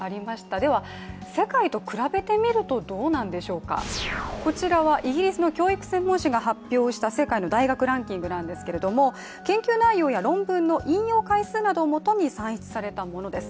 では、世界と比べてみるとどうなんでしょうか、こちらはイギリスの教育専門誌が発表した世界の大学ランキングなんですけれども、研究内容や引用回数などをもとに算出されたものです。